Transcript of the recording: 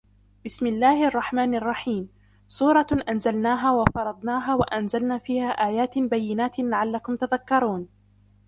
بسم الله الرحمن الرحيم سورة أنزلناها وفرضناها وأنزلنا فيها آيات بينات لعلكم تذكرون